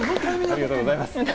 ありがとうございます。